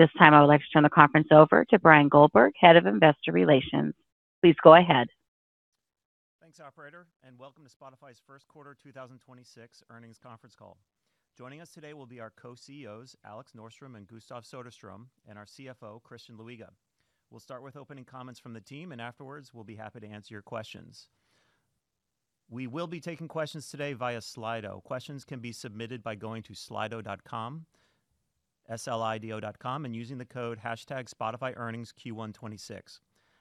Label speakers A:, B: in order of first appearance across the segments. A: At this time, I would like to turn the conference over to Bryan Goldberg, Head of Investor Relations. Please go ahead.
B: Thanks, Operator, and welcome to Spotify's first quarter 2026 earnings conference call. Joining us today will be our Co-CEOs, Alex Norström and Gustav Söderström, and our CFO, Christian Luiga. We'll start with opening comments from the team, and afterwards we'll be happy to answer your questions. We will be taking questions today via Slido. Questions can be submitted by going to slido.com, S-L-I-D-O.com, and using the code #SpotifyEarningsQ126.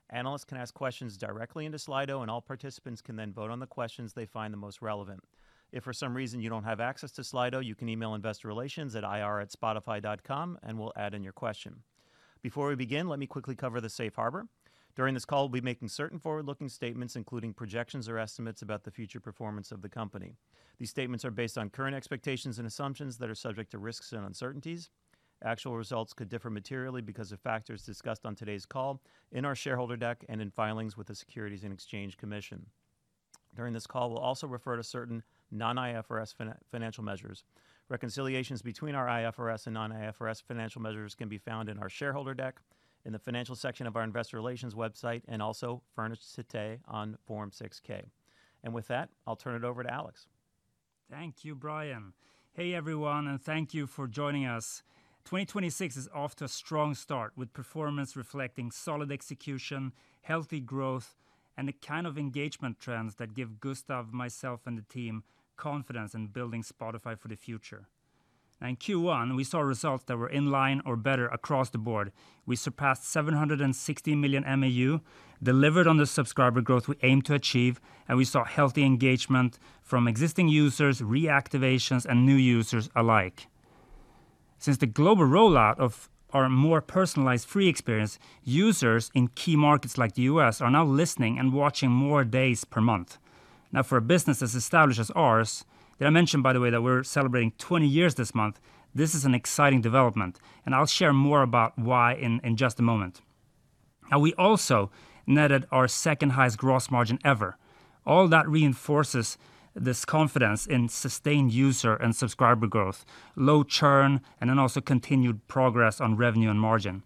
B: Analysts can ask questions directly into Slido, and all participants can then vote on the questions they find the most relevant. If for some reason you don't have access to Slido, you can email investor relations at ir@spotify.com and we'll add in your question. Before we begin, let me quickly cover the safe harbor. During this call, we'll be making certain forward-looking statements, including projections or estimates about the future performance of the company. These statements are based on current expectations and assumptions that are subject to risks and uncertainties. Actual results could differ materially because of factors discussed on today's call, in our shareholder deck, and in filings with the Securities and Exchange Commission. During this call, we'll also refer to certain non-IFRS financial measures. Reconciliations between our IFRS and non-IFRS financial measures can be found in our shareholder deck, in the financial section of our investor relations website, and also furnished today on Form 6-K. With that, I'll turn it over to Alex.
C: Thank you, Bryan. Hey, everyone, and thank you for joining us. 2026 is off to a strong start with performance reflecting solid execution, healthy growth, and the kind of engagement trends that give Gustav, myself, and the team confidence in building Spotify for the future. In Q1, we saw results that were in line or better across the board. We surpassed 760 million MAU, delivered on the subscriber growth we aim to achieve, and we saw healthy engagement from existing users, reactivations, and new users alike. Since the global rollout of our more personalized free experience, users in key markets like the U.S. are now listening and watching more days per month. For a business as established as ours, did I mention, by the way, that we're celebrating 20 years this month, this is an exciting development, and I'll share more about why in just a moment. We also netted our second-highest gross margin ever. All that reinforces this confidence in sustained user and subscriber growth, low churn, also continued progress on revenue and margin.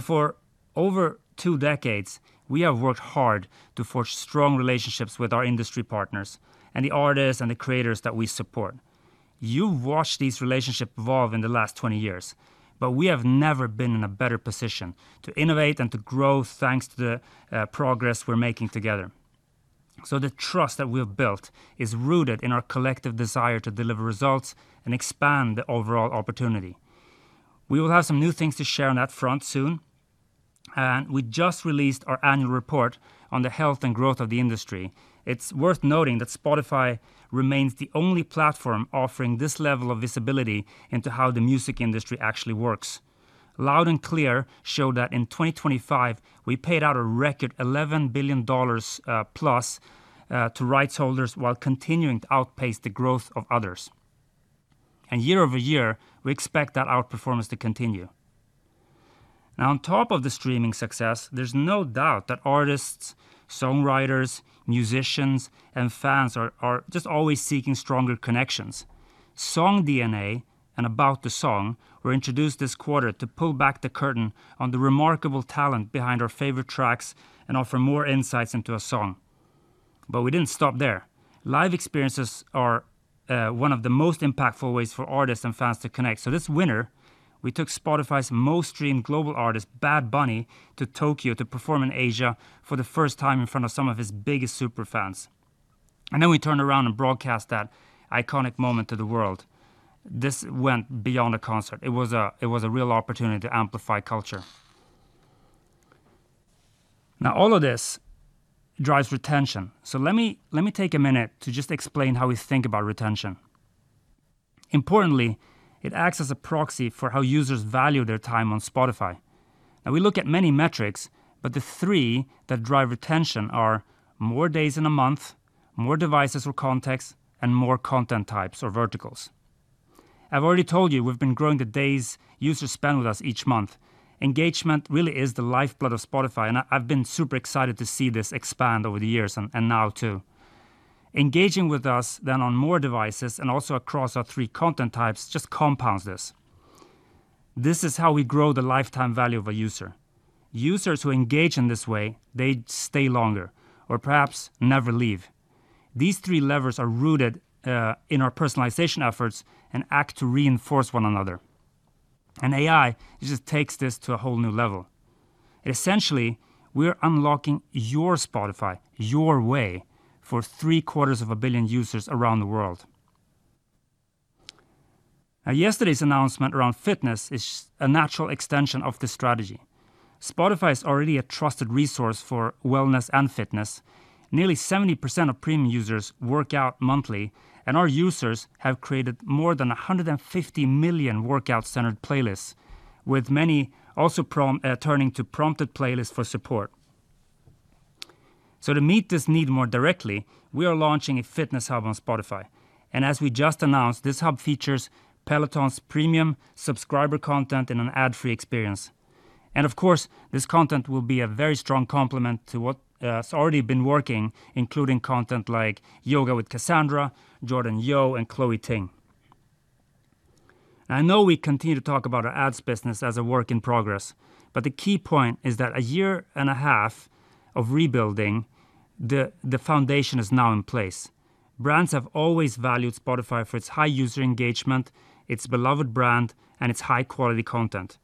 C: For over two decades, we have worked hard to forge strong relationships with our industry partners and the artists and the creators that we support. You've watched these relationships evolve in the last 20 years, we have never been in a better position to innovate and to grow, thanks to the progress we're making together. The trust that we have built is rooted in our collective desire to deliver results and expand the overall opportunity. We will have some new things to share on that front soon. We just released our annual report on the health and growth of the industry. It's worth noting that Spotify remains the only platform offering this level of visibility into how the music industry actually works. Loud & Clear showed that in 2025 we paid out a record $11+ billion to rights holders while continuing to outpace the growth of others. Year over year, we expect that outperformance to continue. Now on top of the streaming success, there's no doubt that artists, songwriters, musicians, and fans are just always seeking stronger connections. SongDNA and About the Song were introduced this quarter to pull back the curtain on the remarkable talent behind our favorite tracks and offer more insights into a song. We didn't stop there. Live experiences are one of the most impactful ways for artists and fans to connect. This winter, we took Spotify's most streamed global artist, Bad Bunny, to Tokyo to perform in Asia for the first time in front of some of his biggest super fans. We turned around and broadcast that iconic moment to the world. This went beyond a concert. It was a real opportunity to amplify culture. All of this drives retention, so let me take a minute to just explain how we think about retention. Importantly, it acts as a proxy for how users value their time on Spotify. We look at many metrics, but the three that drive retention are more days in a month, more devices or context, and more content types or verticals. I've already told you we've been growing the days users spend with us each month. Engagement really is the lifeblood of Spotify, I've been super excited to see this expand over the years and now too. Engaging with us on more devices and also across our three content types just compounds this. This is how we grow the lifetime value of a user. Users who engage in this way, they stay longer or perhaps never leave. These three levers are rooted in our personalization efforts and act to reinforce one another. AI just takes this to a whole new level. Essentially, we're unlocking your Spotify, your way, for three quarters of a billion users around the world. Yesterday's announcement around fitness is a natural extension of this strategy. Spotify is already a trusted resource for wellness and fitness. Nearly 70% of premium users work out monthly. Our users have created more than 150 million workout-centered playlists, with many also turning to Prompted Playlists for support. To meet this need more directly, we are launching a fitness hub on Spotify. As we just announced, this hub features Peloton's premium subscriber content in an ad-free experience. Of course, this content will be a very strong complement to what has already been working, including content like Yoga with Kassandra, Jordan Yeoh, and Chloe Ting. I know we continue to talk about our ads business as a work in progress. The key point is that a year and a half of rebuilding the foundation is now in place. Brands have always valued Spotify for its high user engagement, its beloved brand, and its high-quality content.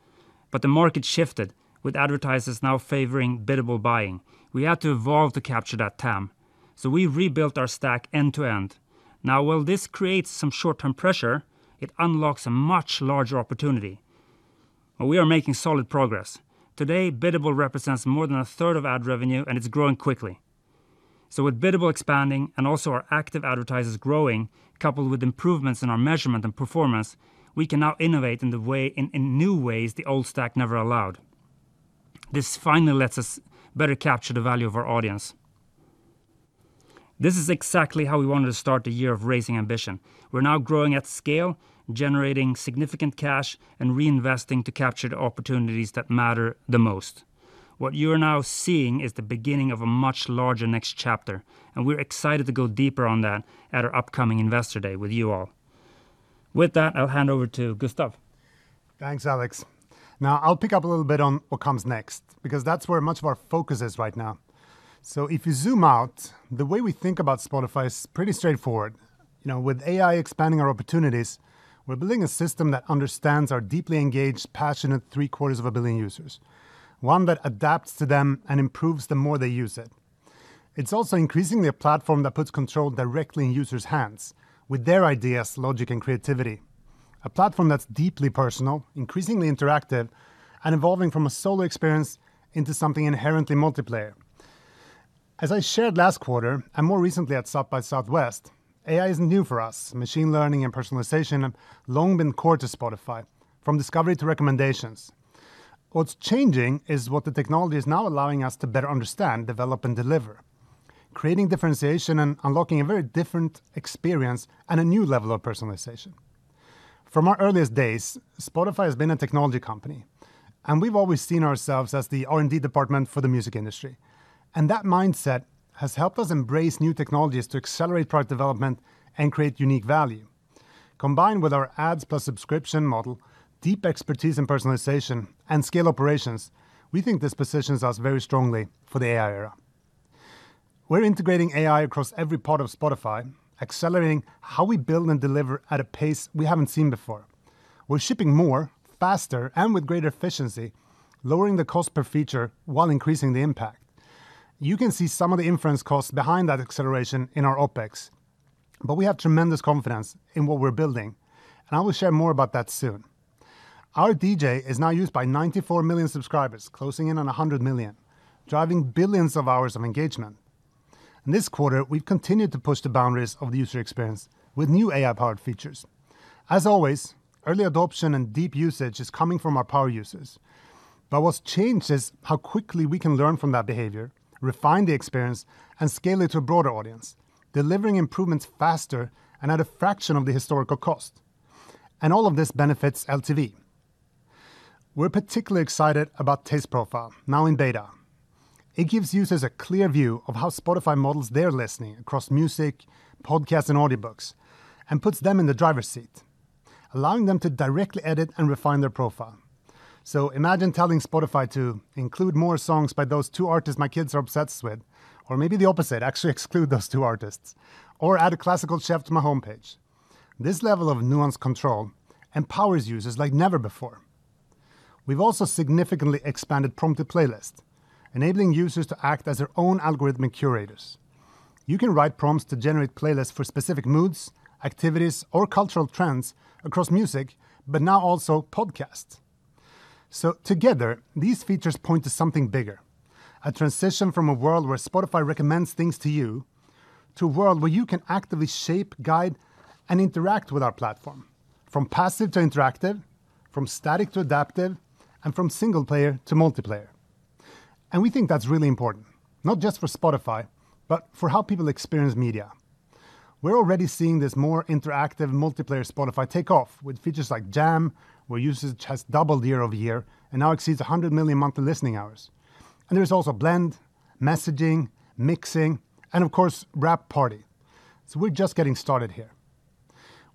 C: The market shifted, with advertisers now favoring biddable buying. We had to evolve to capture that TAM, we've rebuilt our stack end to end. Now, while this creates some short-term pressure, it unlocks a much larger opportunity. We are making solid progress. Today, biddable represents more than a third of ad revenue, and it's growing quickly. With biddable expanding and also our active advertisers growing, coupled with improvements in our measurement and performance, we can now innovate in new ways the old stack never allowed. This finally lets us better capture the value of our audience. This is exactly how we wanted to start the year of raising ambition. We're now growing at scale, generating significant cash, and reinvesting to capture the opportunities that matter the most. What you are now seeing is the beginning of a much larger next chapter, and we're excited to go deeper on that at our upcoming Investor Day with you all. With that, I'll hand over to Gustav.
D: Thanks, Alex. I'll pick up a little bit on what comes next because that's where much of our focus is right now. If you zoom out, the way we think about Spotify is pretty straightforward. You know, with AI expanding our opportunities, we're building a system that understands our deeply engaged, passionate three quarters of a billion users, one that adapts to them and improves the more they use it. It's also increasingly a platform that puts control directly in users' hands with their ideas, logic, and creativity, a platform that's deeply personal, increasingly interactive, and evolving from a solo experience into something inherently multiplayer. As I shared last quarter and more recently at South by Southwest, AI isn't new for us. Machine learning and personalization have long been core to Spotify, from discovery to recommendations. What's changing is what the technology is now allowing us to better understand, develop, and deliver, creating differentiation and unlocking a very different experience and a new level of personalization. From our earliest days, Spotify has been a technology company, and we've always seen ourselves as the R&D department for the music industry. That mindset has helped us embrace new technologies to accelerate product development and create unique value. Combined with our ads plus subscription model, deep expertise in personalization, and scale operations, we think this positions us very strongly for the AI era. We're integrating AI across every part of Spotify, accelerating how we build and deliver at a pace we haven't seen before. We're shipping more, faster, and with greater efficiency, lowering the cost per feature while increasing the impact. You can see some of the inference costs behind that acceleration in our OpEx, but we have tremendous confidence in what we're building, and I will share more about that soon. Our DJ is now used by 94 million subscribers, closing in on 100 million, driving billions of hours of engagement. This quarter, we've continued to push the boundaries of the user experience with new AI-powered features. As always, early adoption and deep usage is coming from our power users. What's changed is how quickly we can learn from that behavior, refine the experience, and scale it to a broader audience, delivering improvements faster and at a fraction of the historical cost. All of this benefits LTV. We're particularly excited about Taste Profile, now in beta. It gives users a clear view of how Spotify models their listening across music, podcasts, and audiobooks, and puts them in the driver's seat, allowing them to directly edit and refine their profile. Imagine telling Spotify to include more songs by those two artists my kids are obsessed with, or maybe the opposite, actually exclude those two artists, or add a classical shelf to my homepage. This level of nuanced control empowers users like never before. We've also significantly expanded Prompt to Playlist, enabling users to act as their own algorithmic curators. You can write prompts to generate playlists for specific moods, activities, or cultural trends across music, but now also podcasts. Together, these features point to something bigger, a transition from a world where Spotify recommends things to you to a world where you can actively shape, guide, and interact with our platform, from passive to interactive, from static to adaptive, and from single-player to multiplayer. We think that's really important, not just for Spotify, but for how people experience media. We're already seeing this more interactive multiplayer Spotify take off with features like Jam, where usage has doubled year-over-year and now exceeds 100 million monthly listening hours. There is also Blend, Messaging, Mixing, and of course, Wrap Party. We're just getting started here.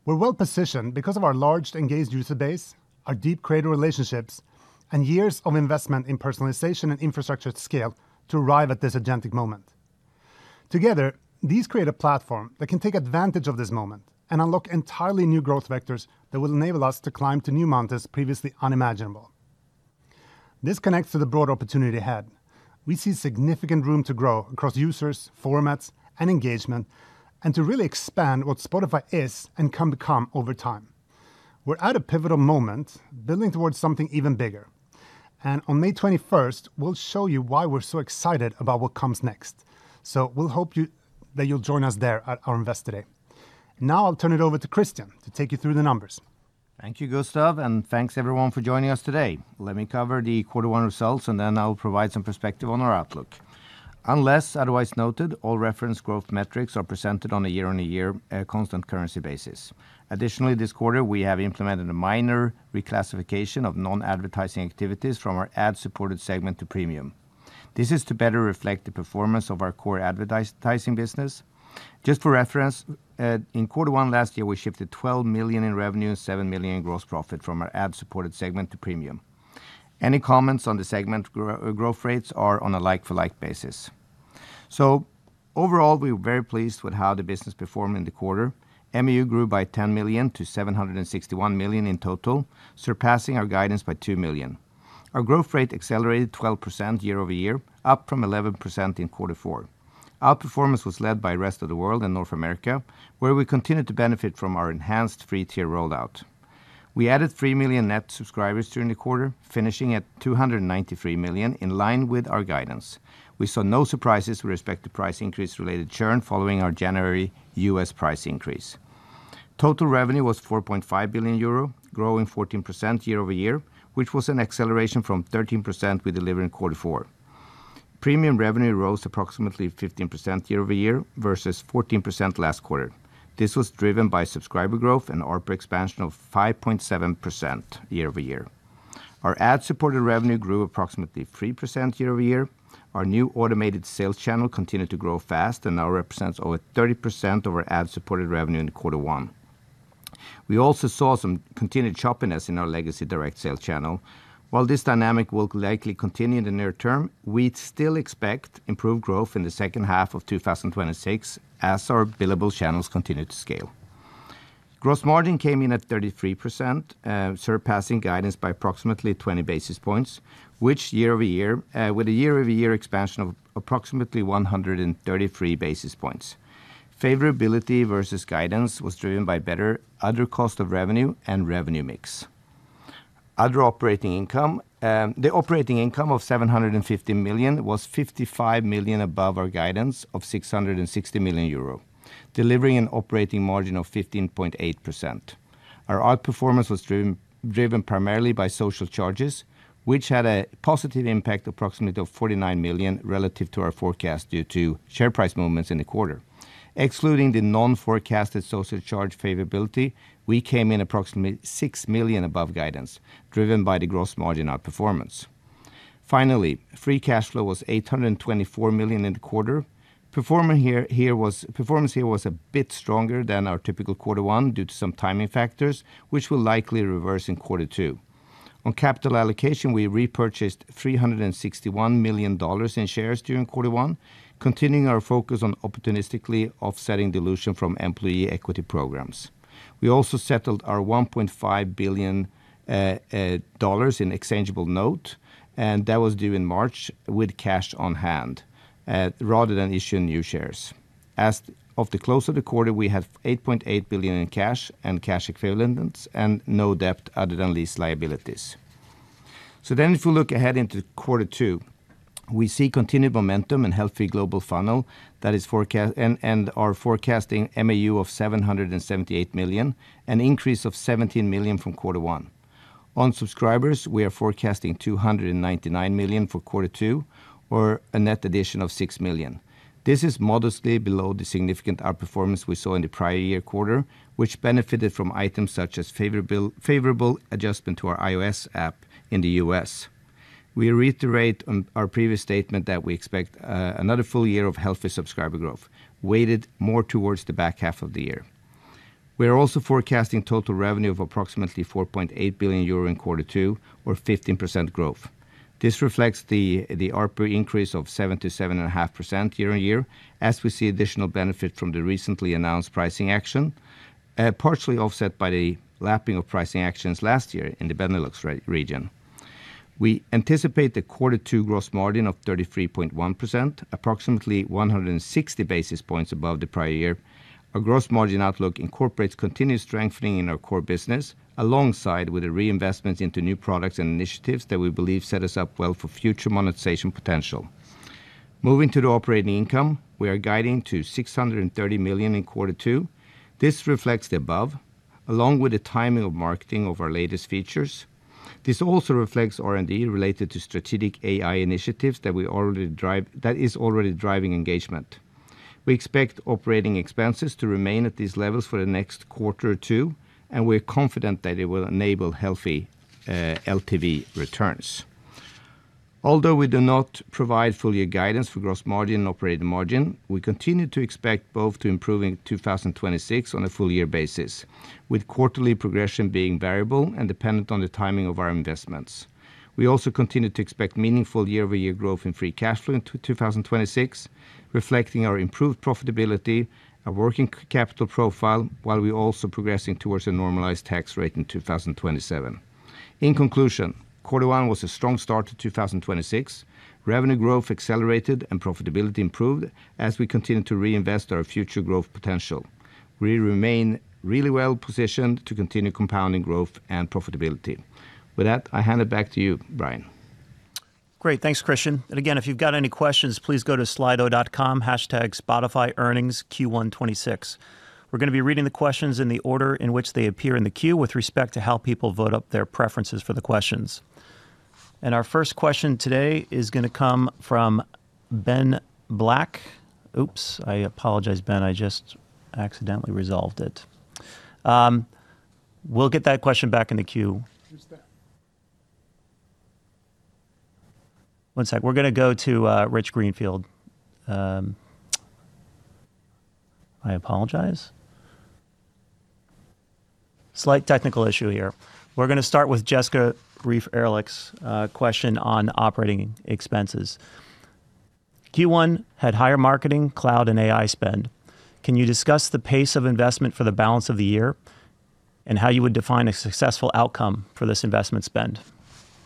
D: We're well-positioned because of our large, engaged user base, our deep creator relationships, and years of investment in personalization and infrastructure at scale to arrive at this agentic moment. Together, these create a platform that can take advantage of this moment and unlock entirely new growth vectors that will enable us to climb to new mountains previously unimaginable. This connects to the broader opportunity ahead. We see significant room to grow across users, formats, and engagement, and to really expand what Spotify is and come to become over time. We're at a pivotal moment, building towards something even bigger. On May 21st, we'll show you why we're so excited about what comes next. We'll hope that you'll join us there at our Investor Day. Now I'll turn it over to Christian to take you through the numbers.
E: Thank you, Gustav, and thanks everyone for joining us today. Let me cover the quarter one results, and then I'll provide some perspective on our outlook. Unless otherwise noted, all reference growth metrics are presented on a year-on-year constant currency basis. Additionally, this quarter, we have implemented a minor reclassification of non-advertising activities from our ad-supported segment to premium. This is to better reflect the performance of our core advertising business. Just for reference, in quarter one last year, we shifted 12 million in revenue and 7 million in gross profit from our ad-supported segment to premium. Any comments on the segment growth rates are on a like-for-like basis. Overall, we were very pleased with how the business performed in the quarter. MAU grew by 10 million to 761 million in total, surpassing our guidance by 2 million. Our growth rate accelerated 12% year-over-year, up from 11% in Q4. Our performance was led by rest of the world in North America, where we continued to benefit from our enhanced free tier rollout. We added 3 million net subscribers during the quarter, finishing at 293 million in line with our guidance. We saw no surprises with respect to price increase related churn following our January U.S. price increase. Total revenue was 4.5 billion euro, growing 14% year-over-year, which was an acceleration from 13% we delivered in Q4. Premium revenue rose approximately 15% year-over-year versus 14% last quarter. This was driven by subscriber growth and ARPA expansion of 5.7% year-over-year. Our ad-supported revenue grew approximately 3% year-over-year. Our new automated sales channel continued to grow fast and now represents over 30% of our ad-supported revenue in quarter one. We also saw some continued choppiness in our legacy direct sales channel. While this dynamic will likely continue in the near term, we still expect improved growth in the second half of 2026 as our billable channels continue to scale. Gross margin came in at 33%, surpassing guidance by approximately 20 basis points, which year-over-year, with a year-over-year expansion of approximately 133 basis points. Favorability versus guidance was driven by better other cost of revenue and revenue mix. Other operating income, the operating income of 750 million was 55 million above our guidance of 660 million euro, delivering an operating margin of 15.8%. Our outperformance was driven primarily by social charges, which had a positive impact approximately of 49 million relative to our forecast due to share price movements in the quarter. Excluding the non-forecasted social charge favorability, we came in approximately 6 million above guidance driven by the gross margin outperformance. Free cash flow was 824 million in the quarter. Performance here was a bit stronger than our typical quarter one due to some timing factors, which will likely reverse in quarter two. On capital allocation, we repurchased $361 million in shares during quarter one, continuing our focus on opportunistically offsetting dilution from employee equity programs. We also settled our $1.5 billion in exchangeable note, and that was due in March with cash on hand rather than issuing new shares. As of the close of the quarter, we have 8.8 billion in cash and cash equivalents and no debt other than lease liabilities. If we look ahead into Q2, we see continued momentum and healthy global funnel and are forecasting MAU of 778 million, an increase of 17 million from Q1. On subscribers, we are forecasting 299 million for Q2 or a net addition of 6 million. This is modestly below the significant outperformance we saw in the prior year quarter, which benefited from items such as favorable adjustment to our iOS app in the U.S. We reiterate on our previous statement that we expect another full year of healthy subscriber growth, weighted more towards the back half of the year. We are also forecasting total revenue of approximately 4.8 billion euro in quarter two or 15% growth. This reflects the ARPA increase of 7%-7.5% year-on-year, as we see additional benefit from the recently announced pricing action, partially offset by the lapping of pricing actions last year in the Benelux region. We anticipate the quarter two gross margin of 33.1%, approximately 160 basis points above the prior year. Our gross margin outlook incorporates continued strengthening in our core business alongside with the reinvestments into new products and initiatives that we believe set us up well for future monetization potential. Moving to the operating income, we are guiding to 630 million in quarter two. This reflects the above, along with the timing of marketing of our latest features. This also reflects R&D related to strategic AI initiatives that is already driving engagement. We expect operating expenses to remain at these levels for the next quarter or two, and we're confident that it will enable healthy LTV returns. Although we do not provide full year guidance for gross margin and operating margin, we continue to expect both to improve in 2026 on a full year basis, with quarterly progression being variable and dependent on the timing of our investments. We also continue to expect meaningful year-over-year growth in free cash flow in 2026, reflecting our improved profitability, our working capital profile, while we're also progressing towards a normalized tax rate in 2027. In conclusion, Q1 was a strong start to 2026. Revenue growth accelerated and profitability improved as we continued to reinvest our future growth potential. We remain really well positioned to continue compounding growth and profitability. With that, I hand it back to you, Bryan.
B: Great. Thanks, Christian. Again, if you've got any questions, please go to slido.com #SpotifyearningsQ1 2026. We're gonna be reading the questions in the order in which they appear in the queue with respect to how people vote up their preferences for the questions. Our first question today is gonna come from Ben Black. Oops, I apologize, Ben. I just accidentally resolved it. We'll get that question back in the queue.
A: Who's that?
B: One sec. We're gonna go to Rich Greenfield. I apologize. Slight technical issue here. We're gonna start with Jessica Reif Ehrlich's question on operating expenses. Q1 had higher marketing, cloud, and AI spend. Can you discuss the pace of investment for the balance of the year and how you would define a successful outcome for this investment spend?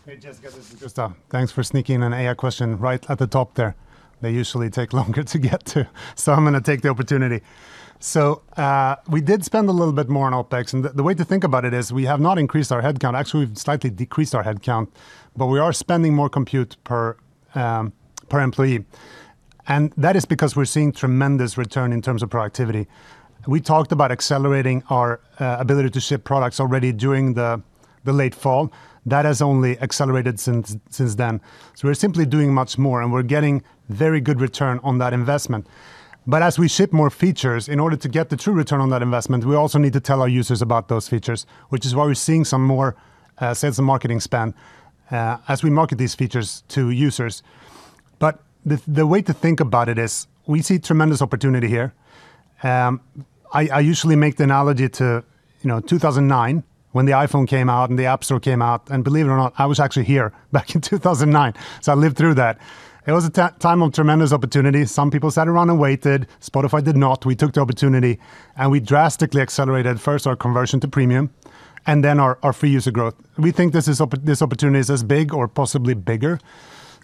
D: Hey, Jessica, this is Gustav. Thanks for sneaking an AI question right at the top there. They usually take longer to get to. I'm gonna take the opportunity. We did spend a little bit more on OpEx. The way to think about it is we have not increased our headcount. Actually, we've slightly decreased our headcount. We are spending more compute per employee. That is because we're seeing tremendous return in terms of productivity. We talked about accelerating our ability to ship products already during the late fall. That has only accelerated since then. We're simply doing much more. We're getting very good return on that investment. As we ship more features, in order to get the true return on that investment, we also need to tell our users about those features, which is why we're seeing some more sales and marketing spend as we market these features to users. The way to think about it is we see tremendous opportunity here. I usually make the analogy to, you know, 2009 when the iPhone came out and the App Store came out, and believe it or not, I was actually here back in 2009, so I lived through that. It was a time of tremendous opportunity. Some people sat around and waited. Spotify did not. We took the opportunity, and we drastically accelerated first our conversion to Premium and then our free user growth. We think this opportunity is as big or possibly bigger.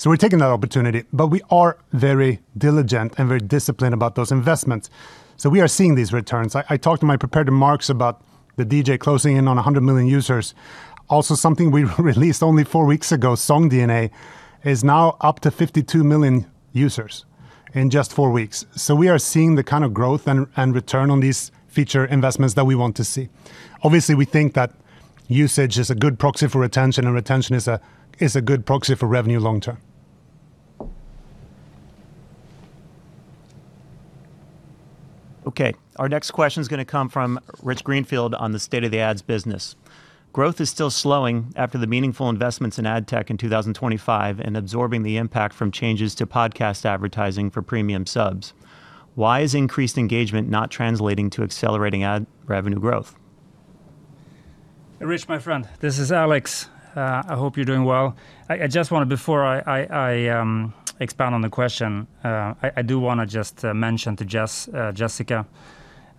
D: We're taking that opportunity. We are very diligent and very disciplined about those investments. We are seeing these returns. I talked in my prepared remarks about the DJ closing in on 100 million users. Also, something we released only four weeks ago, SongDNA, is now up to 52 million users in just four weeks. We are seeing the kind of growth and return on these feature investments that we want to see. Obviously, we think that usage is a good proxy for retention, and retention is a good proxy for revenue long term.
B: Okay. Our next question's gonna come from Rich Greenfield on the state of the ads business. Growth is still slowing after the meaningful investments in ad tech in 2025 and absorbing the impact from changes to podcast advertising for premium subs. Why is increased engagement not translating to accelerating ad revenue growth?
C: Rich, my friend, this is Alex. I hope you're doing well. Before I expand on the question, I do want to just mention to Jess, Jessica,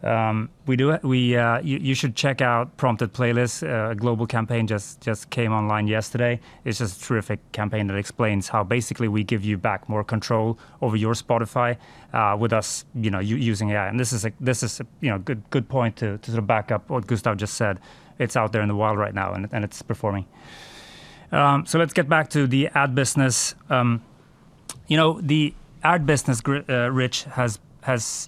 C: you should check out Prompted Playlist, a global campaign just came online yesterday. It's just a terrific campaign that explains how basically we give you back more control over your Spotify, with us, you know, using AI. This is a, you know, good point to sort of back up what Gustav just said. It's out there in the wild right now, and it's performing. Let's get back to the ad business. You know, the ad business, Rich, has,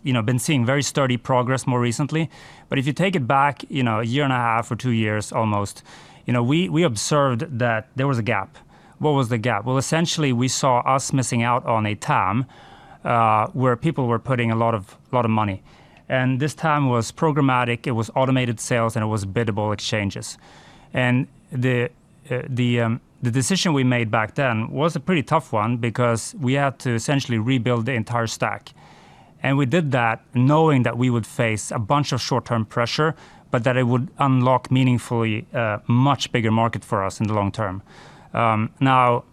C: you know, been seeing very sturdy progress more recently. If you take it back, you know, one and a half or two years almost, you know, we observed that there was a gap. What was the gap? Well, essentially, we saw us missing out on a TAM where people were putting a lot of money. This TAM was programmatic, it was automated sales, and it was biddable exchanges. The decision we made back then was a pretty tough one because we had to essentially rebuild the entire stack. We did that knowing that we would face a bunch of short-term pressure, but that it would unlock meaningfully a much bigger market for us in the long term. Now,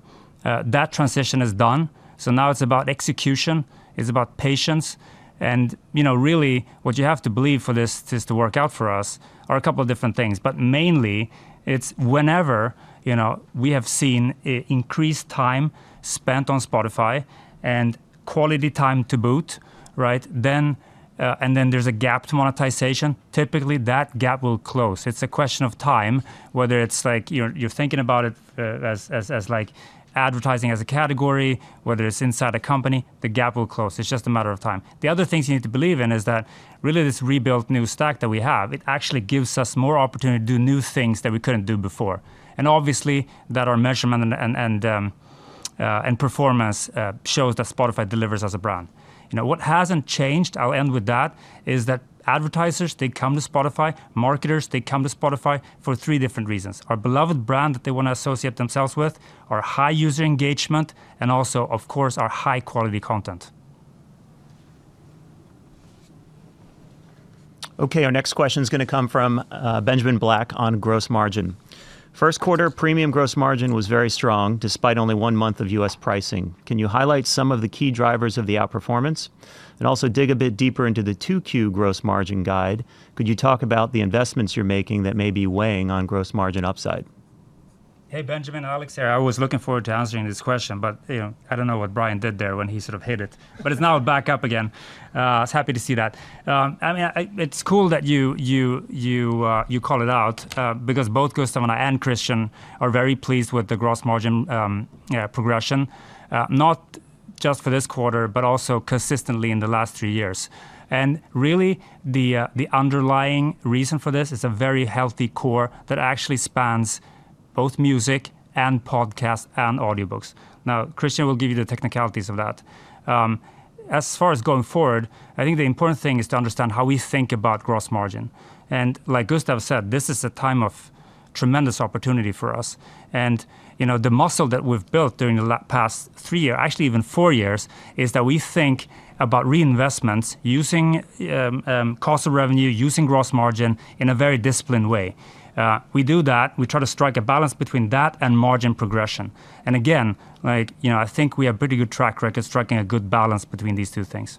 C: that transition is done, so now it's about execution, it's about patience, and, you know, really what you have to believe for this to work out for us are a couple different things. Mainly it's whenever, you know, we have seen increased time spent on Spotify and quality time to boot, right? Then there's a gap to monetization. Typically, that gap will close. It's a question of time, whether it's like you're thinking about it as like advertising as a category, whether it's inside a company, the gap will close. It's just a matter of time. The other things you need to believe in is that really this rebuilt new stack that we have, it actually gives us more opportunity to do new things that we couldn't do before, and obviously, that our measurement and, and performance shows that Spotify delivers as a brand. You know, what hasn't changed, I'll end with that, is that advertisers, they come to Spotify, marketers, they come to Spotify for three different reasons: our beloved brand that they wanna associate themselves with, our high user engagement, and also, of course, our high-quality content.
B: Our next question's going to come from Benjamin Black on gross margin. First quarter premium gross margin was very strong despite only 1 month of U.S. pricing. Can you highlight some of the key drivers of the outperformance and also dig a bit deeper into the 2Q gross margin guide? Could you talk about the investments you're making that may be weighing on gross margin upside?
C: Hey, Benjamin. Alex here. I was looking forward to answering this question, you know, I don't know what Bryan did there when he sort of hid it. It's now back up again. I was happy to see that. I mean, I, it's cool that you call it out because both Gustav and I and Christian are very pleased with the gross margin, yeah, progression. Not just for this quarter, but also consistently in the last three years. Really, the underlying reason for this is a very healthy core that actually spans both music and podcasts and audiobooks. Christian will give you the technicalities of that. As far as going forward, I think the important thing is to understand how we think about gross margin. Like Gustav said, this is a time of tremendous opportunity for us. You know, the muscle that we've built during the past three year, actually even four years, is that we think about reinvestments using cost of revenue, using gross margin in a very disciplined way. We do that. We try to strike a balance between that and margin progression. Again, like, you know, I think we have pretty good track record striking a good balance between these two things.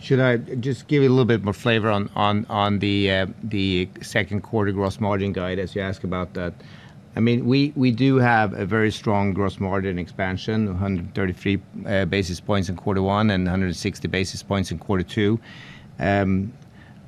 E: Should I just give you a little bit more flavor on the second quarter gross margin guide as you ask about that? I mean, we do have a very strong gross margin expansion, 133 basis points in quarter one and 160 basis points in quarter two.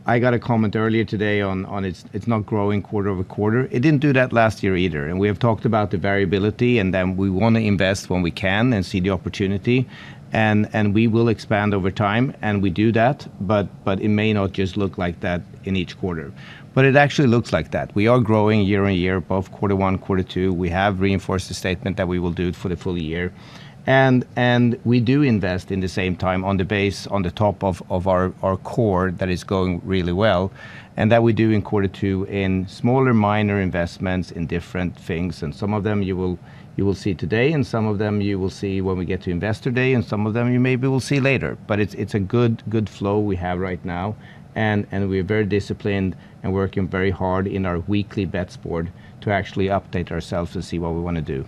E: I got a comment earlier today on it's not growing quarter-over-quarter. It didn't do that last year either, and we have talked about the variability, and then we wanna invest when we can and see the opportunity and we will expand over time, and we do that, but it may not just look like that in each quarter. It actually looks like that. We are growing year-over-year, both quarter one, quarter two. We have reinforced the statement that we will do it for the full year. We do invest in the same time on the base, on the top of our core that is going really well, and that we do in quarter two in smaller minor investments in different things, and some of them you will see today, and some of them you will see when we get to Investor Day, and some of them you maybe will see later. It's a good flow we have right now and we're very disciplined and working very hard in our weekly bets board to actually update ourselves to see what we wanna do.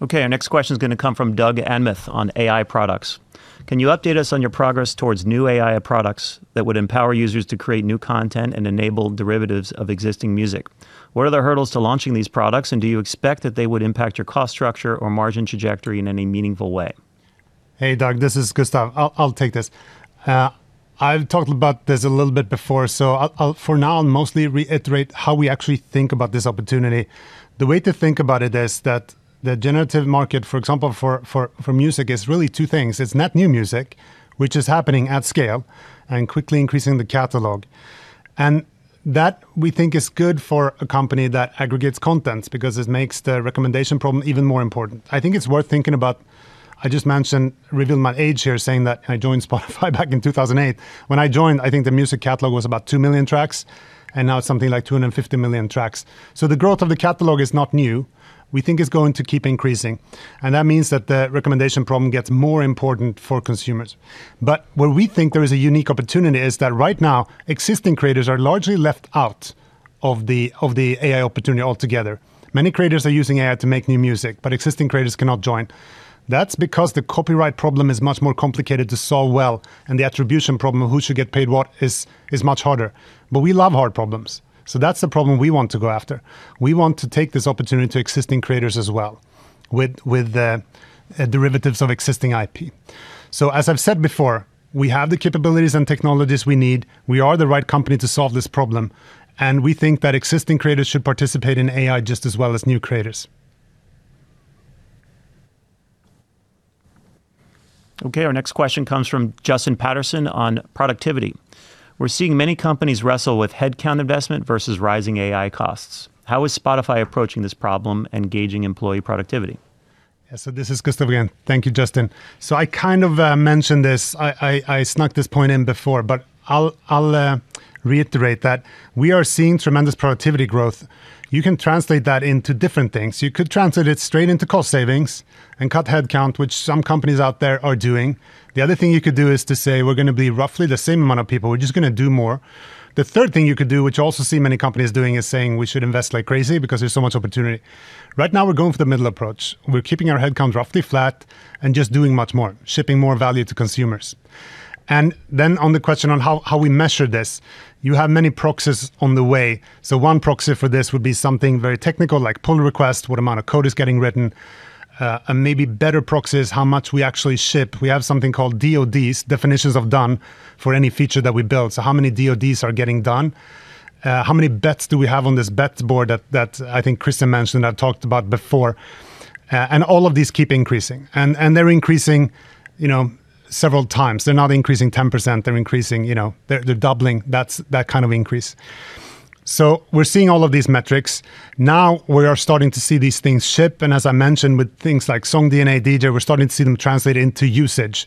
B: Okay, our next question is gonna come from Doug Anmuth on AI products. Can you update us on your progress towards new AI products that would empower users to create new content and enable derivatives of existing music? What are the hurdles to launching these products, and do you expect that they would impact your cost structure or margin trajectory in any meaningful way?
D: Hey, Doug, this is Gustav. I'll take this. I've talked about this a little bit before, I'll for now mostly reiterate how we actually think about this opportunity. The way to think about it is that the generative market, for example, for music is really two things. It's net new music, which is happening at scale and quickly increasing the catalog. That we think is good for a company that aggregates content because it makes the recommendation problem even more important. I think it's worth thinking about, I just mentioned, revealed my age here saying that I joined Spotify back in 2008. When I joined, I think the music catalog was about 2 million tracks, now it's something like 250 million tracks. The growth of the catalog is not new. We think it's going to keep increasing. That means that the recommendation problem gets more important for consumers. Where we think there is a unique opportunity is that right now existing creators are largely left out of the AI opportunity altogether. Many creators are using AI to make new music. Existing creators cannot join. That's because the copyright problem is much more complicated to solve well, and the attribution problem of who should get paid what is much harder. We love hard problems. That's the problem we want to go after. We want to take this opportunity to existing creators as well with derivatives of existing IP. As I've said before, we have the capabilities and technologies we need. We are the right company to solve this problem, and we think that existing creators should participate in AI just as well as new creators.
B: Okay, our next question comes from Justin Patterson on productivity. We're seeing many companies wrestle with headcount investment versus rising AI costs. How is Spotify approaching this problem and gauging employee productivity?
D: This is Gustav again. Thank you, Justin. I mentioned this. I snuck this point in before, but I'll reiterate that we are seeing tremendous productivity growth. You can translate that into different things. You could translate it straight into cost savings and cut headcount, which some companies out there are doing. The other thing you could do is to say, "We're gonna be roughly the same amount of people. We're just gonna do more." The third thing you could do, which you also see many companies doing, is saying, "We should invest like crazy because there's so much opportunity." Right now, we're going for the middle approach. We're keeping our headcount roughly flat and just doing much more, shipping more value to consumers. On the question on how we measure this, you have many proxies on the way. One proxy for this would be something very technical, like pull request, what amount of code is getting written, and maybe better proxies, how much we actually ship. We have something called DoD, Definition of Done, for any feature that we build. How many DoDs are getting done? How many bets do we have on this bets board that I think Christian mentioned, I've talked about before. All of these keep increasing, and they're increasing, you know, several times. They're not increasing 10%. They're increasing, you know, they're doubling. That's that kind of increase. We're seeing all of these metrics. Now we are starting to see these things ship, as I mentioned, with things like SongDNA, DJ, we're starting to see them translate into usage.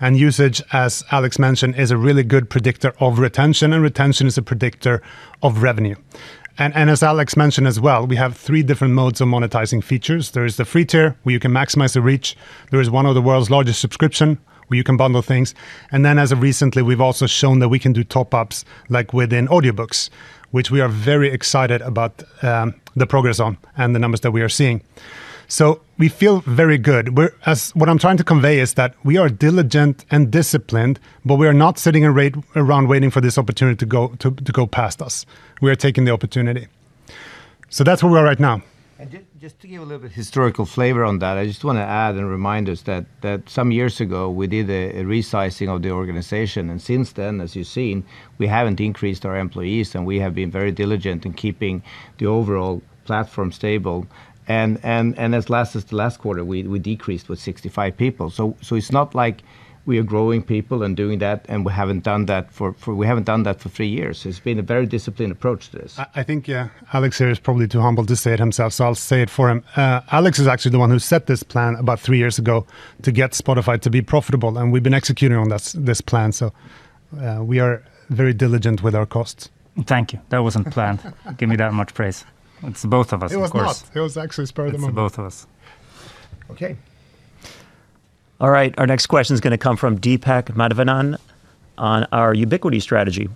D: Usage, as Alex mentioned, is a really good predictor of retention, and retention is a predictor of revenue. As Alex mentioned as well, we have three different modes of monetizing features. There is the free tier, where you can maximize the reach. There is one of the world's largest subscription, where you can bundle things. As of recently, we've also shown that we can do top-ups, like within audiobooks, which we are very excited about the progress on and the numbers that we are seeing. We feel very good. What I'm trying to convey is that we are diligent and disciplined, but we are not sitting around waiting for this opportunity to go past us. We are taking the opportunity. That's where we are right now.
E: Just to give a little bit historical flavor on that, I just wanna add and remind us that some years ago, we did a resizing of the organization. Since then, as you've seen, We haven't increased our employees, and we have been very diligent in keeping the overall platform stable. As the last quarter, we decreased with 65 people. It's not like we are growing people and doing that, and we haven't done that for three years. It's been a very disciplined approach to this.
D: I think, yeah, Alex here is probably too humble to say it himself, so I'll say it for him. Alex is actually the one who set this plan about three years ago to get Spotify to be profitable, and we've been executing on this plan. We are very diligent with our costs.
C: Thank you. That wasn't planned. Give me that much praise. It's both of us, of course.
D: It was not. It was actually spur of the moment.
C: It's both of us.
D: Okay.
B: All right. Our next question is gonna come from Deepak Mathivanan on our ubiquity strategy.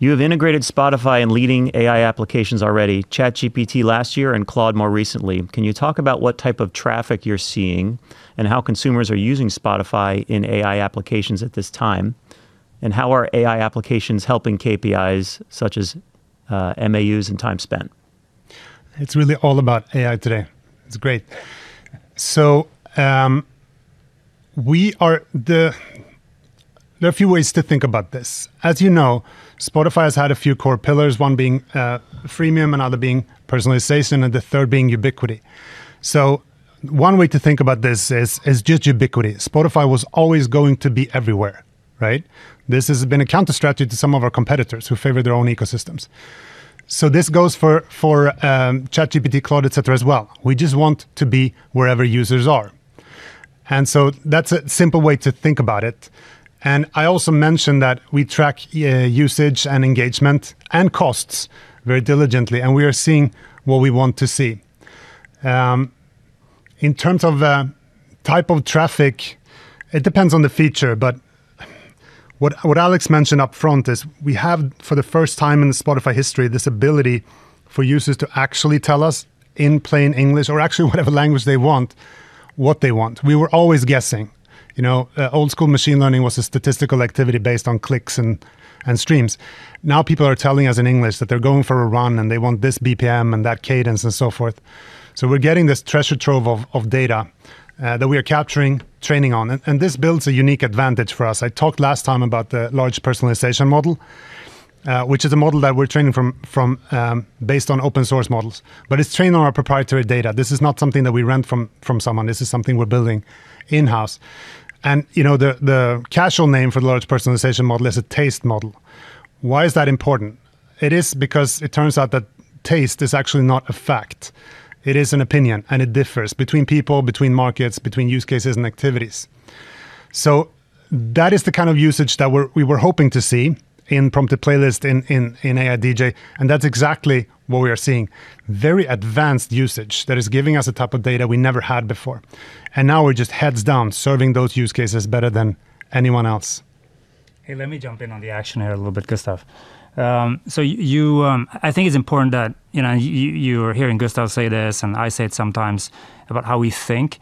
B: You have integrated Spotify in leading AI applications already, ChatGPT last year and Claude more recently. Can you talk about what type of traffic you're seeing and how consumers are using Spotify in AI applications at this time? How are AI applications helping KPIs such as MAUs and time spent?
D: It's really all about AI today. It's great. There are a few ways to think about this. As you know, Spotify has had a few core pillars, one being freemium, another being personalization, and the third being ubiquity. One way to think about this is just ubiquity. Spotify was always going to be everywhere, right? This has been a counterstrategy to some of our competitors who favor their own ecosystems. This goes for ChatGPT, Claude, etc., as well. We just want to be wherever users are. That's a simple way to think about it. I also mentioned that we track usage and engagement and costs very diligently, and we are seeing what we want to see. In terms of type of traffic, it depends on the feature, but what Alex mentioned up front is we have, for the first time in Spotify history, this ability for users to actually tell us in plain English, or actually whatever language they want, what they want. We were always guessing. You know, old-school machine learning was a statistical activity based on clicks and streams. Now people are telling us in English that they're going for a run and they want this BPM and that cadence and so forth. We're getting this treasure trove of data that we are capturing, training on. This builds a unique advantage for us. I talked last time about the large personalization model, which is a model that we're training from based on open source models, but it's trained on our proprietary data. This is not something that we rent from someone. This is something we're building in-house. You know, the casual name for the large personalization model is a taste model. Why is that important? It is because it turns out that taste is actually not a fact. It is an opinion, it differs between people, between markets, between use cases and activities. That is the kind of usage that we were hoping to see in Prompted Playlist, in AI DJ, that's exactly what we are seeing. Very advanced usage that is giving us a type of data we never had before. Now we're just heads down serving those use cases better than anyone else.
C: Hey, let me jump in on the action here a little bit, Gustav. You, I think it's important that, you know, you're hearing Gustav say this and I say it sometimes about how we think.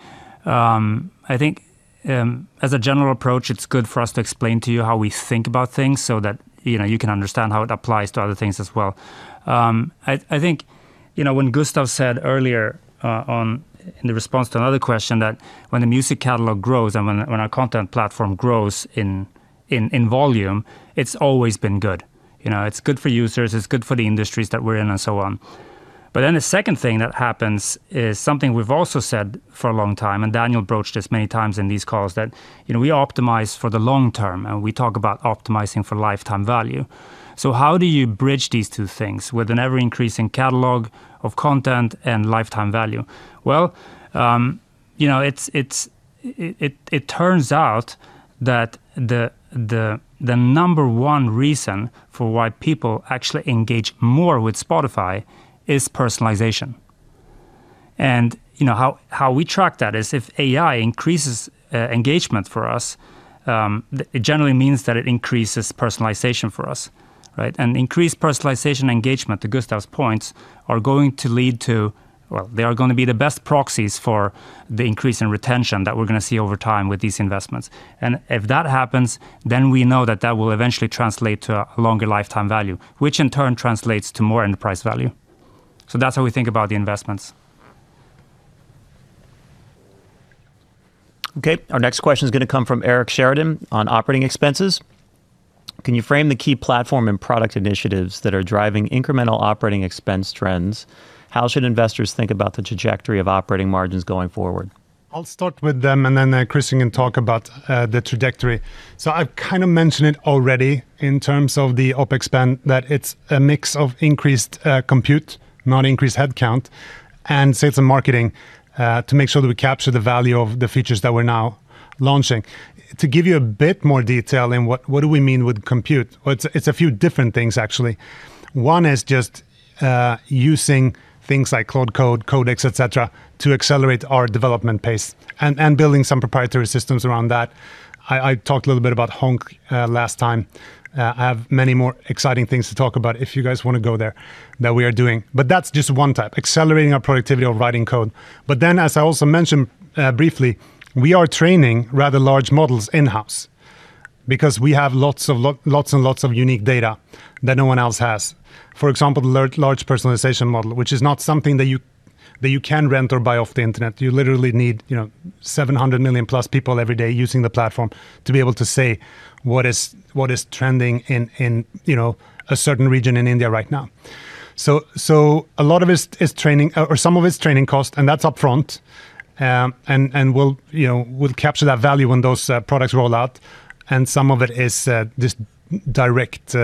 C: I think, as a general approach, it's good for us to explain to you how we think about things so that, you know, you can understand how it applies to other things as well. I think, you know, when Gustav said earlier, in the response to another question that when the music catalog grows and when our content platform grows in volume, it's always been good. You know, it's good for users, it's good for the industries that we're in and so on. The second thing that happens is something we've also said for a long time, and Daniel broached this many times in these calls, that, you know, we optimize for the long term, and we talk about optimizing for lifetime value. How do you bridge these two things with an ever-increasing catalog of content and lifetime value? You know, it turns out that the number one reason for why people actually engage more with Spotify is personalization. You know, how we track that is if AI increases engagement for us, it generally means that it increases personalization for us, right? Increased personalization engagement, to Gustav's points, are going to lead to. They are gonna be the best proxies for the increase in retention that we're gonna see over time with these investments. If that happens, then we know that that will eventually translate to a longer lifetime value, which in turn translates to more enterprise value. That's how we think about the investments.
B: Okay. Our next question is gonna come from Eric Sheridan on operating expenses. Can you frame the key platform and product initiatives that are driving incremental operating expense trends? How should investors think about the trajectory of operating margins going forward?
D: I'll start with them, and then Christian can talk about the trajectory. I've kind of mentioned it already in terms of the OpEx spend, that it's a mix of increased compute, not increased headcount, and sales and marketing to make sure that we capture the value of the features that we're now launching. To give you a bit more detail in what do we mean with compute? Well, it's a few different things actually. One is just using things like Claude Code, Codex, etc., to accelerate our development pace and building some proprietary systems around that. I talked a little bit about Honk last time. I have many more exciting things to talk about if you guys wanna go there that we are doing. That's just one type, accelerating our productivity of writing code. As I also mentioned, briefly, we are training rather large models in-house because we have lots of unique data that no one else has. For example, the large personalization model, which is not something that you can rent or buy off the internet. You literally need, you know, 700+million people every day using the platform to be able to say what is trending in, you know, a certain region in India right now. A lot of it is training, or some of it is training cost, and that's upfront. And we'll, you know, we'll capture that value when those products roll out. And some of it is just direct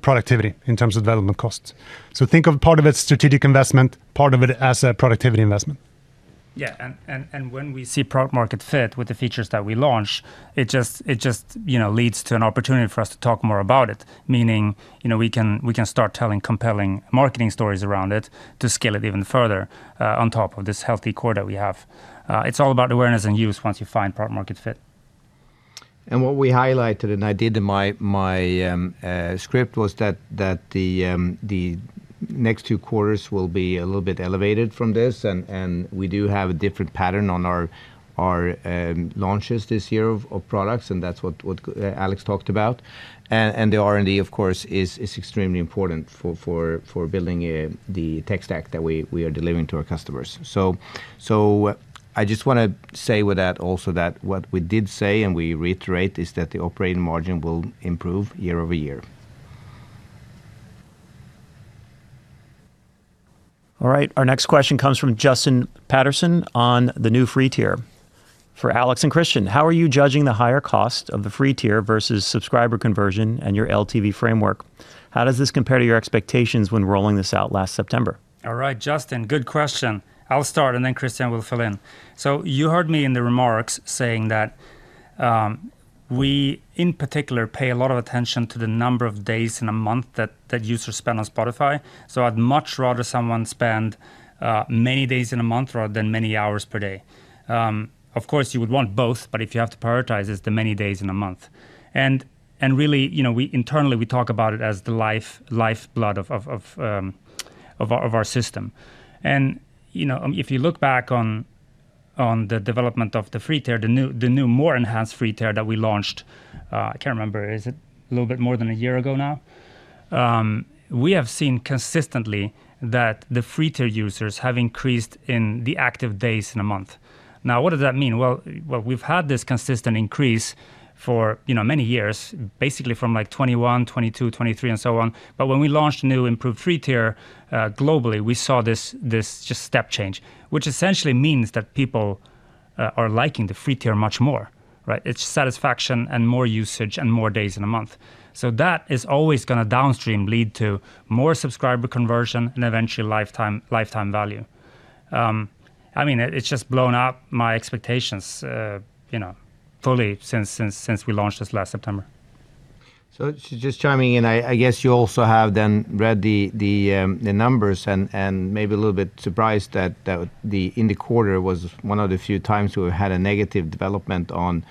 D: productivity in terms of development costs. Think of part of it strategic investment, part of it as a productivity investment.
C: Yeah. When we see product market fit with the features that we launch, it just, you know, leads to an opportunity for us to talk more about it, meaning, you know, we can start telling compelling marketing stories around it to scale it even further, on top of this healthy core that we have. It's all about awareness and use once you find product market fit.
E: What we highlighted, and I did in my script, was that the next two quarters will be a little bit elevated from this. We do have a different pattern on our launches this year of products, and that's what Alex talked about. The R&D, of course, is extremely important for building the tech stack that we are delivering to our customers. I just wanna say with that also that what we did say and we reiterate is that the operating margin will improve year-over-year.
B: All right. Our next question comes from Justin Patterson on the new free tier. For Alex Norström and Christian Luiga, how are you judging the higher cost of the free tier versus subscriber conversion and your LTV framework? How does this compare to your expectations when rolling this out last September?
C: All right, Justin, good question. I'll start and then Christian will fill in. You heard me in the remarks saying that we, in particular, pay a lot of attention to the number of days in a month that users spend on Spotify. I'd much rather someone spend many days in a month rather than many hours per day. Of course, you would want both, but if you have to prioritize, it's the many days in a month. Really, you know, we internally, we talk about it as the lifeblood of our system. You know, if you look back on the development of the free tier, the new, the new, more enhanced free tier that we launched, I can't remember, is it a little bit more than a year ago now? We have seen consistently that the free tier users have increased in the active days in a month. Now, what does that mean? Well, we've had this consistent increase for, you know, many years, basically from like 2021, 2022, 2023, and so on. When we launched new improved free tier globally, we saw this just step change, which essentially means that people are liking the free tier much more, right? It's satisfaction and more usage and more days in a month. That is always gonna downstream lead to more subscriber conversion and eventually lifetime value. I mean, it's just blown up my expectations, you know, fully since we launched this last September.
E: Just chiming in, I guess you also have then read the, the numbers and maybe a little bit surprised that the, in the quarter was one of the few times we had a negative development on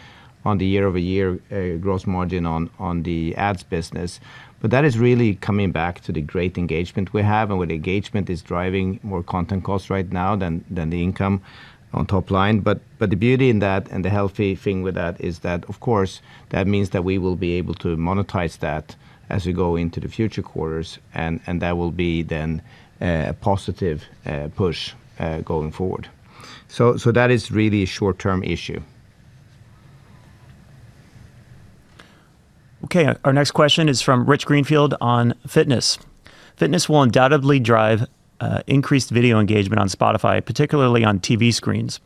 E: the year-over-year gross margin on the ads business. But that is really coming back to the great engagement we have, and where the engagement is driving more content costs right now than the income on top line. But the beauty in that and the healthy thing with that is that, of course, that means that we will be able to monetize that as we go into the future quarters, and that will be then a positive push going forward. That is really a short-term issue.
B: Okay. Our next question is from Rich Greenfield on fitness. Fitness will undoubtedly drive increased video engagement on Spotify, particularly on TV screens.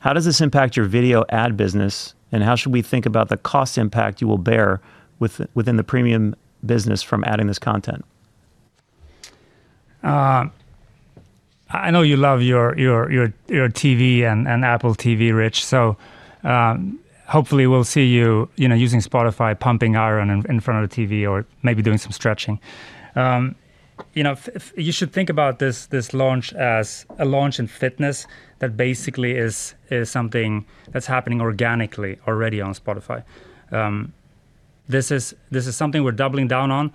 B: How does this impact your video ad business, and how should we think about the cost impact you will bear within the premium business from adding this content?
C: I know you love your TV and Apple TV, Rich, so, hopefully we'll see you know, using Spotify, pumping iron in front of the TV or maybe doing some stretching. You know, you should think about this launch as a launch in fitness that basically is something that's happening organically already on Spotify. This is something we're doubling down on,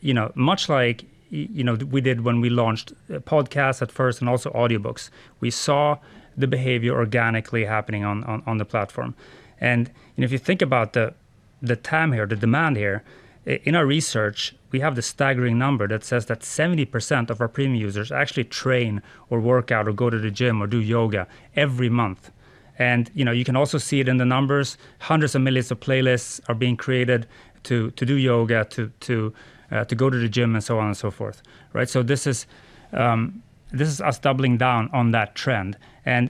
C: you know, much like, you know, we did when we launched podcasts at first and also Audiobooks. We saw the behavior organically happening on the platform. You know, if you think about the TAM here, the demand here, in our research, we have this staggering number that says that 70% of our Premium users actually train or work out or go to the gym or do yoga every month. You know, you can also see it in the numbers. Hundreds of millions of playlists are being created to do yoga, to go to the gym, and so on and so forth. This is us doubling down on that trend.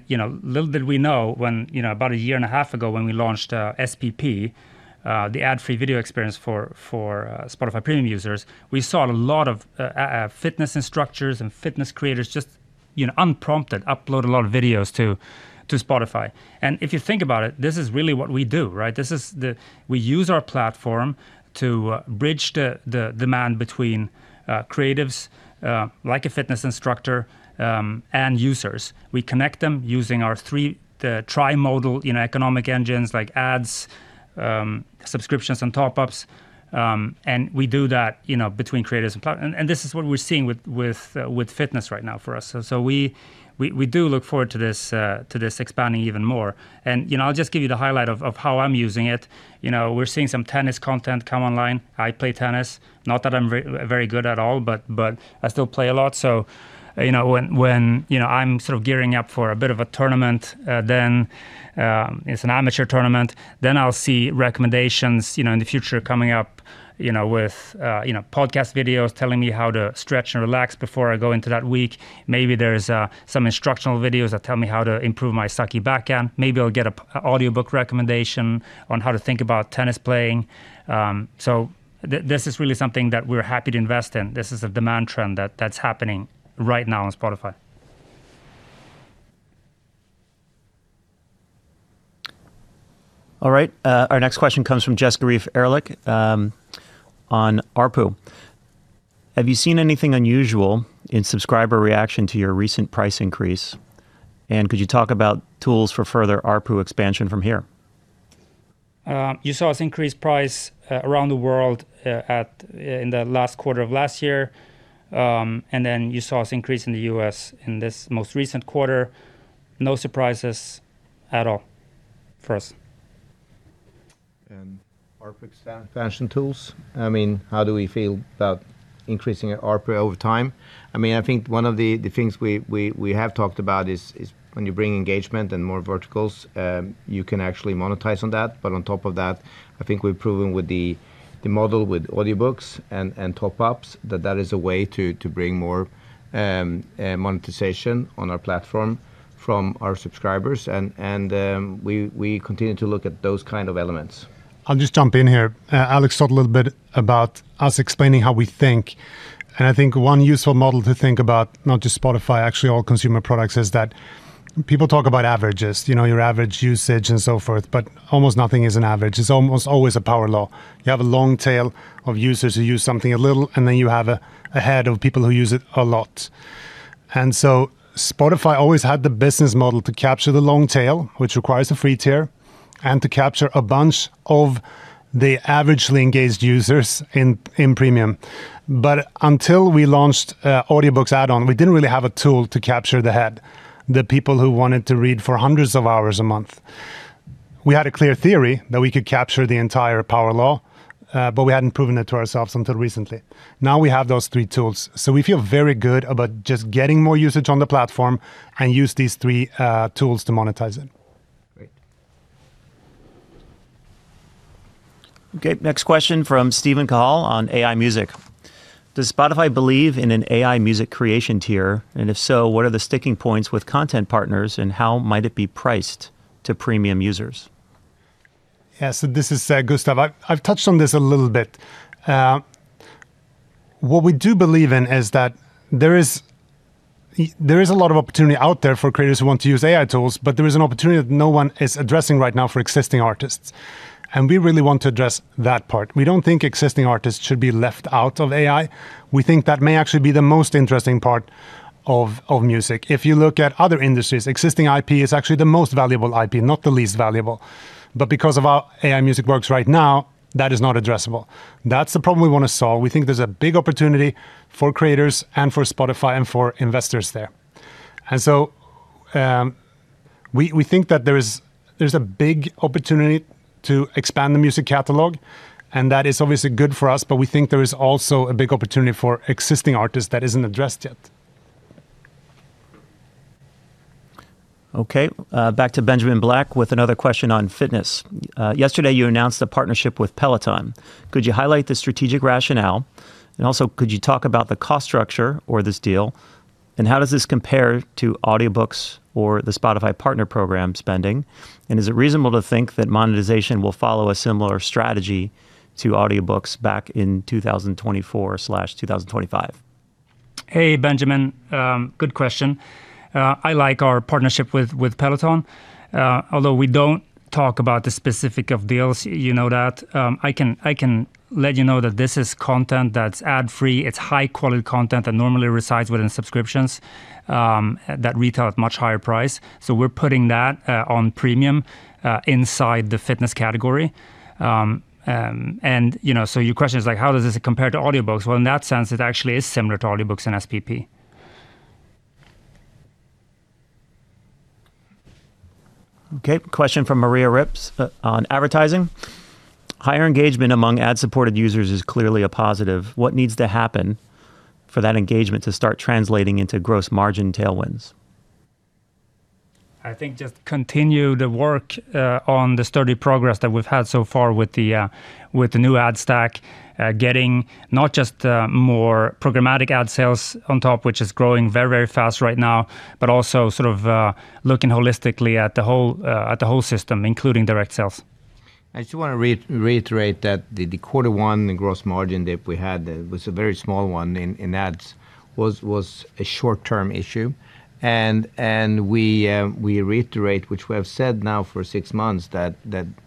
C: You know, little did we know when, you know, about a year and a half ago when we launched SPP, the ad-free video experience for Spotify Premium users, we saw a lot of fitness instructors and fitness creators just, you know, unprompted, upload a lot of videos to Spotify. If you think about it, this is really what we do. We use our platform to bridge the demand between creatives, like a fitness instructor, and users. We connect them using our three, the tri-modal, you know, economic engines like ads, subscriptions and top-ups, and we do that, you know, between creators and this is what we're seeing with fitness right now for us. We do look forward to this expanding even more. You know, I'll just give you the highlight of how I'm using it. You know, we're seeing some tennis content come online. I play tennis, not that I'm very good at all, but I still play a lot. You know, when, you know, I'm sort of gearing up for a bit of a tournament, then it's an amateur tournament, then I'll see recommendations, you know, in the future coming up, you know, with, you know, podcast videos telling me how to stretch and relax before I go into that week. Maybe there's some instructional videos that tell me how to improve my sucky backhand. Maybe I'll get a audiobook recommendation on how to think about tennis playing. This is really something that we're happy to invest in. This is a demand trend that's happening right now on Spotify.
B: All right. Our next question comes from Jessica Reif Ehrlich on ARPU. Have you seen anything unusual in subscriber reaction to your recent price increase? Could you talk about tools for further ARPU expansion from here?
C: You saw us increase price around the world in the last quarter of last year. You saw us increase in the U.S. in this most recent quarter. No surprises at all for us.
E: ARPU ex- expansion tools? I mean, how do we feel about increasing ARPU over time? I mean, I think one of the things we have talked about is when you bring engagement and more verticals, you can actually monetize on that. On top of that, I think we've proven with the model with audiobooks and top-ups that is a way to bring more monetization on our platform from our subscribers and we continue to look at those kind of elements.
D: I'll just jump in here. Alex talked a little bit about us explaining how we think, and I think one useful model to think about, not just Spotify, actually all consumer products, is that people talk about averages, you know, your average usage and so forth, but almost nothing is an average. It's almost always a power law. You have a long tail of users who use something a little, and then you have a head of people who use it a lot. Spotify always had the business model to capture the long tail, which requires a free tier, and to capture a bunch of the averagely engaged users in Premium. Until we launched Audiobooks Add-on, we didn't really have a tool to capture the head, the people who wanted to read for hundreds of hours a month. We had a clear theory that we could capture the entire power law, but we hadn't proven it to ourselves until recently. Now we have those three tools. We feel very good about just getting more usage on the platform and use these three tools to monetize it.
B: Great. Okay, next question from Steven Cahall on AI music. Does Spotify believe in an AI music creation tier? If so, what are the sticking points with content partners, and how might it be priced to Premium users?
D: This is Gustav. I've touched on this a little bit. What we do believe in is that there is a lot of opportunity out there for creators who want to use AI tools, but there is an opportunity that no one is addressing right now for existing artists, and we really want to address that part. We don't think existing artists should be left out of AI. We think that may actually be the most interesting part of music. If you look at other industries, existing IP is actually the most valuable IP, not the least valuable. Because of how AI music works right now, that is not addressable. That's the problem we want to solve. We think there's a big opportunity for creators and for Spotify and for investors there. We think that there's a big opportunity to expand the music catalog, and that is obviously good for us, but we think there is also a big opportunity for existing artists that isn't addressed yet.
B: Okay, back to Benjamin Black with another question on fitness. Yesterday you announced a partnership with Peloton. Could you highlight the strategic rationale? Also, could you talk about the cost structure or this deal? How does this compare to audiobooks or the Spotify partner program spending? Is it reasonable to think that monetization will follow a similar strategy to audiobooks back in 2024/2025?
C: Hey, Benjamin, good question. I like our partnership with Peloton. Although we don't talk about the specific of deals, you know that, I can let you know that this is content that's ad-free. It's high-quality content that normally resides within subscriptions that retail at much higher price. We're putting that on Premium inside the fitness category. You know, your question is like, how does this compare to audiobooks? Well, in that sense, it actually is similar to audiobooks and SPP.
B: Okay, question from Maria Ripps on advertising. Higher engagement among ad-supported users is clearly a positive. What needs to happen for that engagement to start translating into gross margin tailwinds?
C: I think just continue the work on the sturdy progress that we've had so far with the with the new ad stack getting not just more programmatic ad sales on top, which is growing very, very fast right now, but also sort of looking holistically at the whole at the whole system, including direct sales.
E: I just wanna reiterate that the quarter one gross margin dip we had was a very small one in ads, was a short-term issue. We reiterate, which we have said now for six months, that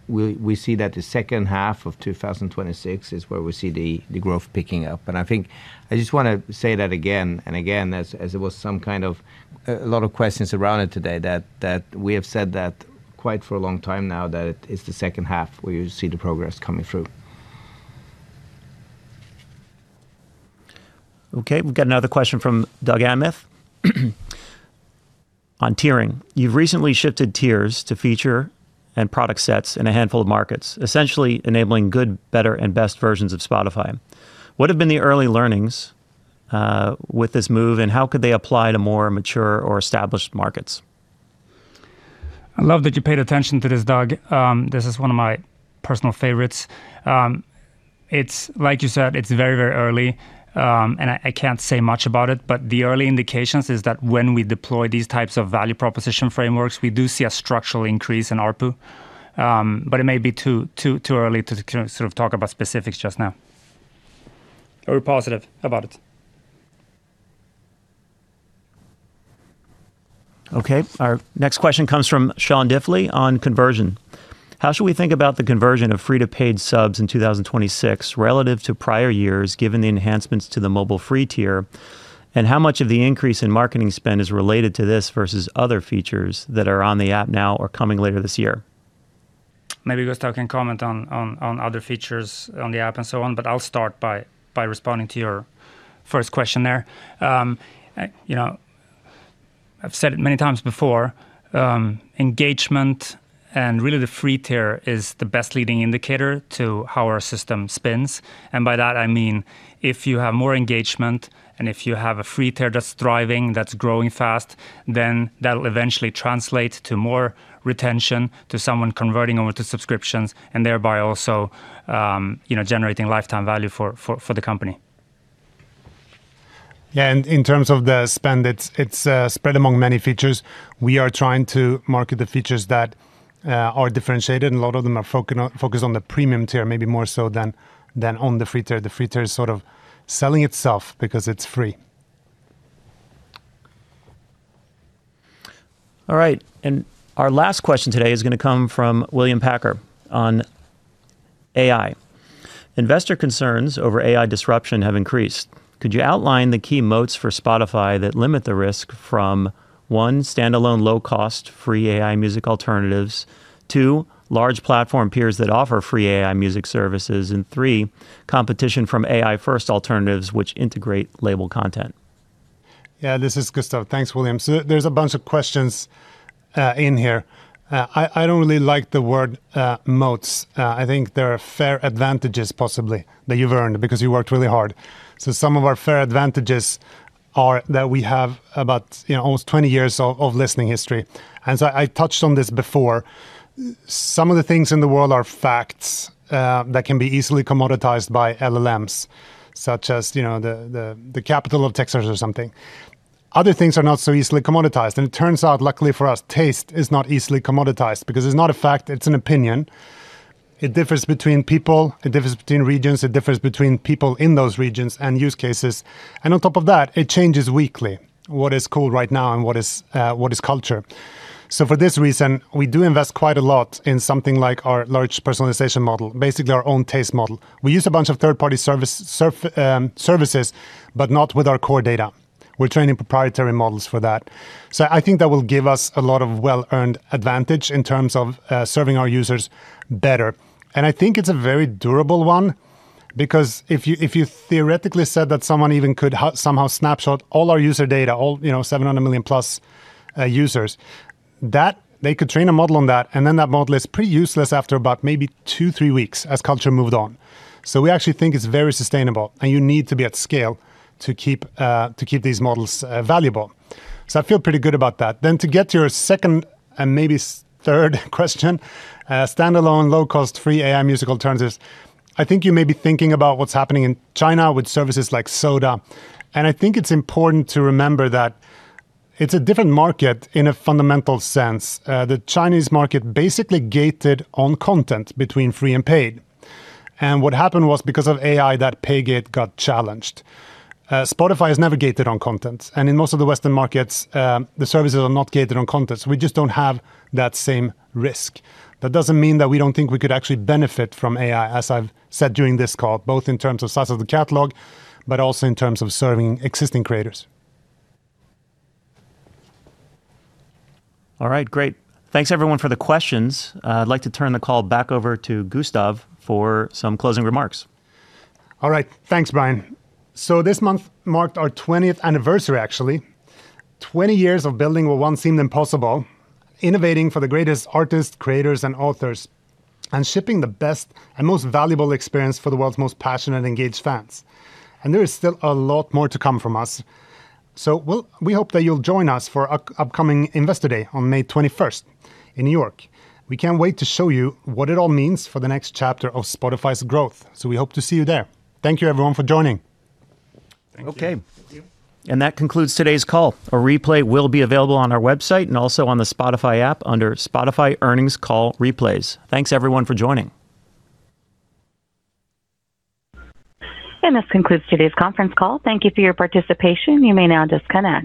E: we see that the second half of 2026 is where we see the growth picking up. I think, I just wanna say that again and again as it was some kind of a lot of questions around it today, that we have said that quite for a long time now, that it is the second half where you see the progress coming through.
B: Okay, we've got another question from Doug Anmuth on tiering. You've recently shifted tiers to feature and product sets in a handful of markets, essentially enabling good, better, and best versions of Spotify. What have been the early learnings with this move, and how could they apply to more mature or established markets?
C: I love that you paid attention to this, Doug. This is one of my personal favorites. It's, like you said, it's very, very early, and I can't say much about it. The early indications is that when we deploy these types of value proposition frameworks, we do see a structural increase in ARPU. It may be too early to sort of talk about specifics just now. We're positive about it.
B: Okay. Our next question comes from Sean Diffley on conversion. How should we think about the conversion of free to paid subs in 2026 relative to prior years, given the enhancements to the mobile free tier? How much of the increase in marketing spend is related to this versus other features that are on the app now or coming later this year?
C: Maybe Gustav can comment on other features on the app and so on. I'll start by responding to your first question there. You know, I've said it many times before, engagement and really the free tier is the best leading indicator to how our system spins. By that, I mean if you have more engagement and if you have a free tier that's thriving, that's growing fast, then that'll eventually translate to more retention, to someone converting over to subscriptions and thereby also, you know, generating lifetime value for the company.
D: Yeah. In terms of the spend, it's spread among many features. We are trying to market the features that are differentiated, and a lot of them are focused on the premium tier, maybe more so than on the free tier. The free tier is sort of selling itself because it's free.
B: Our last question today is going to come from William Packer on AI. Investor concerns over AI disruption have increased. Could you outline the key moats for Spotify that limit the risk from, one, standalone low-cost free AI music alternatives, two, large platform peers that offer free AI music services, and three, competition from AI-first alternatives which integrate label content?
D: Yeah, this is Gustav. Thanks, William. There is a bunch of questions in here. I don't really like the word moats. I think there are fair advantages possibly that you've earned because you worked really hard. Some of our fair advantages are that we have about, you know, almost 20 years of listening history. I touched on this before. Some of the things in the world are facts that can be easily commoditized by LLMs, such as, you know, the capital of Texas or something. Other things are not so easily commoditized. It turns out, luckily for us, taste is not easily commoditized because it's not a fact, it's an opinion. It differs between people, it differs between regions, it differs between people in those regions and use cases. On top of that, it changes weekly, what is cool right now and what is culture. For this reason, we do invest quite a lot in something like our large personalization model, basically our own taste model. We use a bunch of third-party services, but not with our core data. We're training proprietary models for that. I think that will give us a lot of well-earned advantage in terms of serving our users better. I think it's a very durable one, because if you theoretically said that someone even could somehow snapshot all our user data, all, you know, 700+ million users, that they could train a model on that, then that model is pretty useless after about maybe two, three weeks as culture moved on. We actually think it's very sustainable, and you need to be at scale to keep these models valuable. I feel pretty good about that. To get to your second and maybe third question, standalone low-cost free AI music alternatives. I think you may be thinking about what's happening in China with services like Soda. I think it's important to remember that it's a different market in a fundamental sense. The Chinese market basically gated on content between free and paid. What happened was because of AI, that pay gate got challenged. Spotify has never gated on content, and in most of the Western markets, the services are not gated on content, so we just don't have that same risk. That doesn't mean that we don't think we could actually benefit from AI, as I've said during this call, both in terms of size of the catalog, but also in terms of serving existing creators.
B: All right, great. Thanks everyone for the questions. I'd like to turn the call back over to Gustav for some closing remarks.
D: All right. Thanks, Bryan. This month marked our 20th anniversary actually. 20 years of building what once seemed impossible, innovating for the greatest artists, creators, and authors, and shipping the best and most valuable experience for the world's most passionate, engaged fans. There is still a lot more to come from us. We hope that you'll join us for our upcoming Investor Day on May 21st in New York. We can't wait to show you what it all means for the next chapter of Spotify's growth, we hope to see you there. Thank you everyone for joining.
C: Thank you.
B: Okay
C: Thank you.
B: That concludes today's call. A replay will be available on our website and also on the Spotify app under Spotify Earnings Call Replays. Thanks everyone for joining.
A: This concludes today's conference call. Thank you for your participation. You may now disconnect.